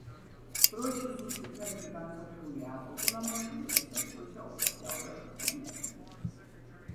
დროშის ზუსტი ფერები განსაზღვრული არ ყოფილა მაშინ, როდესაც დროშა ოფიციალურად იქნა მიღებული.